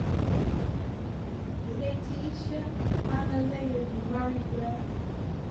Laetitia Anna Layard married Rev.